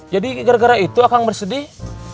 jadi gara gara itu kang bersedih